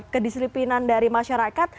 kedistripinan dari masyarakat